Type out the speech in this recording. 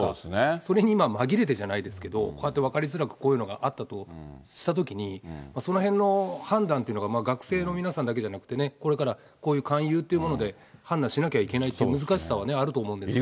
それに今、まぎれてじゃないですけど、こうやって分かりづらくこういうのがあったとしたときに、そのへんの判断っていうのが学生の皆さんだけじゃなくてね、これからこういう勧誘っていうもので、判断しなきゃいけないっていう、難しさはあると思うんですけどね。